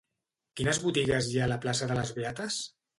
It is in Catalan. Quines botigues hi ha a la plaça de les Beates?